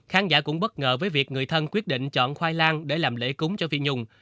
khán giả cũng bất ngờ với việc người thân quyết định chọn khoai lang để làm lễ cúng cho phi nhung